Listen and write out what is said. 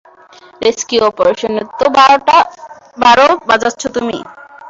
Rescue অপারেশনের তো বারো বাজাচ্ছ তুমি।